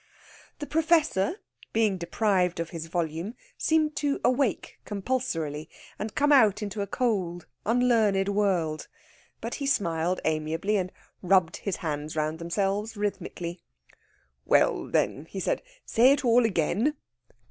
The Professor, being deprived of his volume, seemed to awake compulsorily, and come out into a cold, unlearned world. But he smiled amiably, and rubbed his hands round themselves rhythmically. "Well, then!" said he. "Say it all again."